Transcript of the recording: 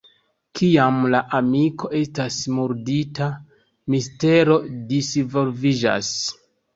Kiam la amiko estas murdita, mistero disvolviĝas.